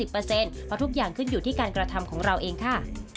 เพราะทุกอย่างขึ้นอยู่ที่การกระทำของเราเองค่ะ